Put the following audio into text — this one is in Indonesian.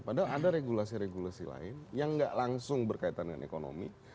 padahal ada regulasi regulasi lain yang nggak langsung berkaitan dengan ekonomi